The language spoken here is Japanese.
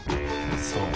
そう。